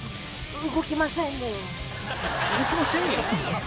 「動きませんえん」？